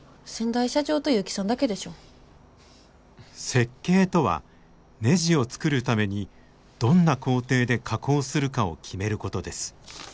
設計とはねじを作るためにどんな工程で加工するかを決めることです。